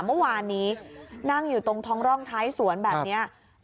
เมื่อวานนี้นั่งอยู่ตรงท้องร่องท้ายสวนแบบนี้